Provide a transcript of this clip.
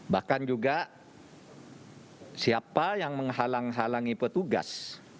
bahkan juga siapa yang menghalangi petugas